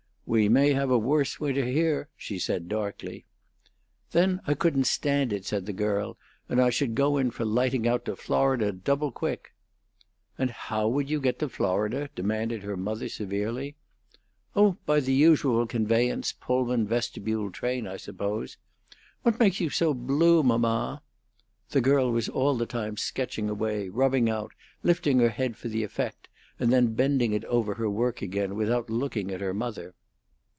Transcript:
"We may have a worse winter here," she said, darkly. "Then I couldn't stand it," said the girl, "and I should go in for lighting out to Florida double quick." "And how would you get to Florida?" demanded her mother, severely. "Oh, by the usual conveyance Pullman vestibuled train, I suppose. What makes you so blue, mamma?" The girl was all the time sketching away, rubbing out, lifting her head for the effect, and then bending it over her work again without looking at her mother.